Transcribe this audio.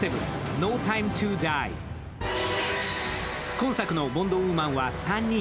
今作のボンド・ウーマンは３人。